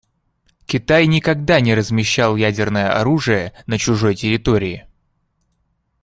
Китай никогда не размещал ядерное оружие на чужой территории.